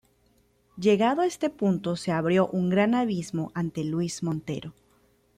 Llegado este punto se abrió un gran abismo ante Luis Montero.